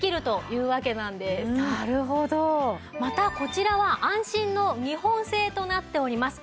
またこちらは安心の日本製となっております。